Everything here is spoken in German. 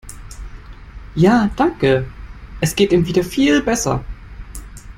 Ja danke, es geht ihm wieder viel besser.